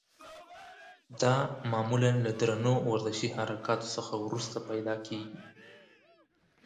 دا معمولا له درنو ورزشي حرکاتو څخه وروسته پیدا کېږي.